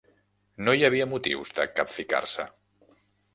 No hi havia motius de capficar-se